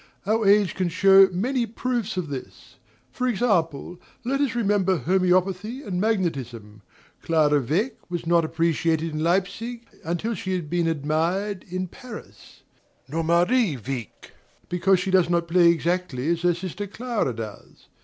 Our age can show many proofs of this; for example, let us remember homoeopathy and magnetism. Clara Wieck was not appreciated in Leipzig until she had been admired in Paris; nor Marie Wieck, because she does not play exactly as her sister Clara does.